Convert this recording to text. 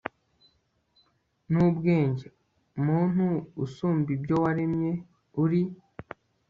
n'ubwenge, muntu usumba ibyo waremye, uri